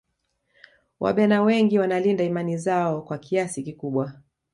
wabena wengi wanalinda imani zao kwa kiasi kikubwa